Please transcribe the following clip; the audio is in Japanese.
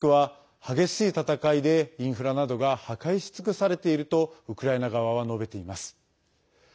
セベロドネツクは激しい戦いで、インフラなどが破壊し尽くされているとウクライナ側は述べています。